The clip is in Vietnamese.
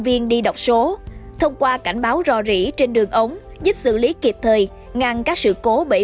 viên đi đọc số thông qua cảnh báo ro rỉ trên đường ống giúp xử lý kịp thời ngăn các sự cố bẫy